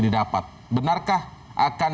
didapat benarkah akan